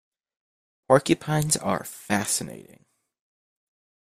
Porcupines are fascinating.